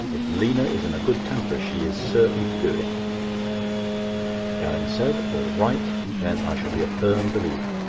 If 'Lina' is in a good temper, she is certain to do it." Gowing said: "All right; then I shall be a firm believer.